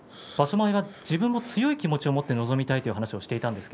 前は自分も強い意識を持って臨みたいというふうにお話をしていました。